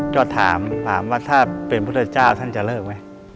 ก็ถามถามว่าถ้าเป็นพุทธเจ้าท่านจะเลิกไหม